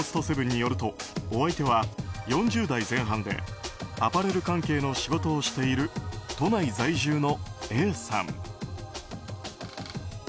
セブンによるとお相手は４０代前半でアパレル関係の仕事をしている都内在住のＡさん。